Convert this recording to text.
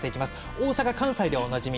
大阪・関西ではおなじみ